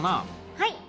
はい。